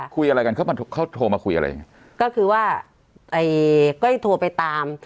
คุยอะไรกันเขามาเขาโทรมาคุยอะไรยังไงก็คือว่าไอ้ก้อยโทรไปตาม